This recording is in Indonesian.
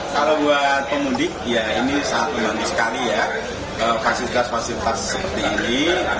kalau buat pemudik ya ini sangat membantu sekali ya fasilitas fasilitas seperti ini